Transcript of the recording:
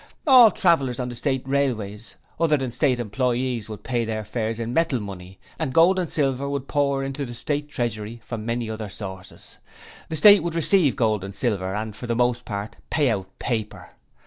All travellers on the State railways other than State employees would pay their fares in metal money, and gold and silver would pour into the State Treasury from many other sources. The State would receive gold and silver and for the most part pay out paper.